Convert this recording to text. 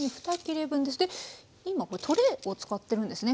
今トレイを使ってるんですね。